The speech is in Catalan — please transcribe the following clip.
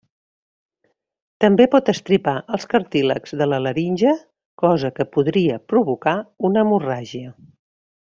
També pot estripar els cartílags de la laringe, cosa que podria provocar una hemorràgia.